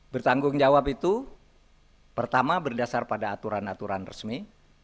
bertanggung jawab itu pertama berdasar pada aturan aturan resmi